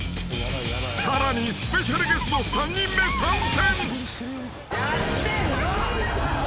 ［さらにスペシャルゲスト３人目参戦］